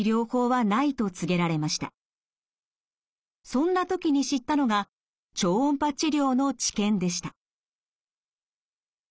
そんな時に知ったのが超音波治療の治験でした。